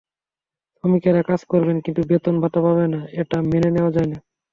শ্রমিকেরা কাজ করবেন কিন্তু বেতন ভাতা পাবেন না—এটা মেনে নেওয়া যায় না।